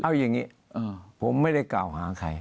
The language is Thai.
เอาอย่างนี้ผมไม่ได้กล่าวหาใคร